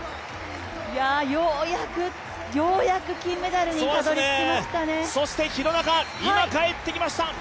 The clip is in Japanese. ようやく、ようやく金メダルにたどり着きましたね。